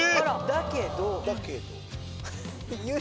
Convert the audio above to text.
「だけど」。